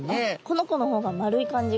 この子の方が丸い感じがします。